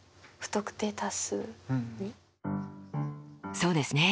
そうですね